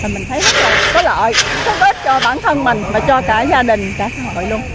mình thấy rất là có lợi rất là ít cho bản thân mình và cho cả gia đình cả xã hội luôn